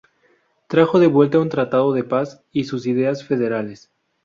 Trajo de vuelta un tratado de paz y sus ideas federales.